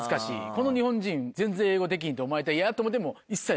この日本人全然英語できひんと思われた嫌やと思ってもう一切。